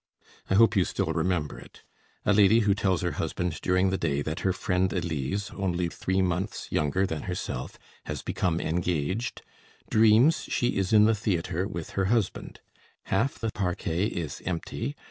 I hope you still remember it. A lady who tells her husband during the day that her friend Elise, only three months younger than herself, has become engaged, dreams she is in the theatre with her husband. Half the parquet is empty.